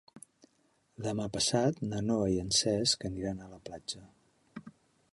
Demà passat na Noa i en Cesc aniran a la platja.